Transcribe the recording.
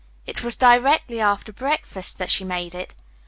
It was directly after breakfast that she made it.